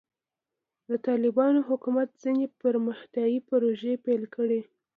د طالبانو حکومت ځینې پرمختیایي پروژې پیل کړې.